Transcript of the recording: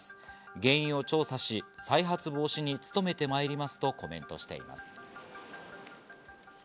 原因を調査し、再発防止に努めてまいりますとコメントしています。